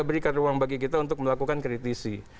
berikan ruang bagi kita untuk melakukan kritisi